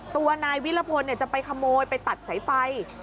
ตัวนายวิรพลจะไปขโมยไปตัดสายไฟ